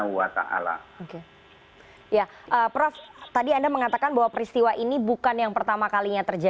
umat muslim yang akan